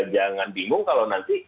jangan bingung kalau nanti